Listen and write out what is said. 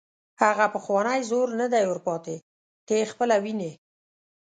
هغه پخوانی زور نه دی ور پاتې، ته یې خپله ویني.